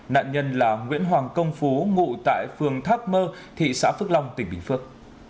nạn nhân là nguyễn hoàng công phú ngụ tại phường tháp mơ thị xã phước long tỉnh bình phước